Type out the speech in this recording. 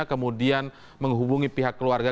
kemudian menghubungi pihak keluarga